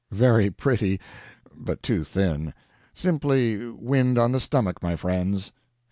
Very pretty, but too thin — simply wind on the stomach, my friends.